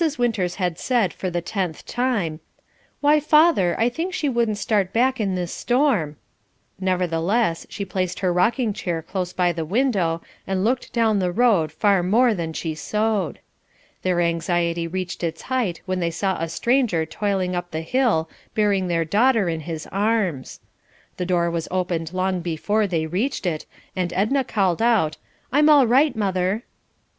Winters had said for the tenth time, "Why, father, I think she wouldn't start back in this storm." Nevertheless she placed her rocking chair close by the window and looked down the road far more than she sewed. Their anxiety reached its height when they saw a stranger toiling up the hill bearing their daughter in his arms. The door was opened long before they reached it, and Edna called out, "I'm all right, mother."